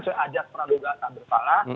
seajak praduga tak berpala